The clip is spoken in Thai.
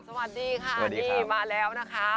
สวัสดีค่ะนี่มาแล้วนะคะ